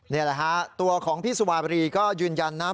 นี่แหละฮะตัวของพี่สุวาบรีก็ยืนยันนะ